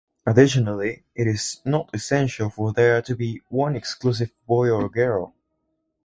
Additionally, it is not essential for there to be one exclusive boy or girl.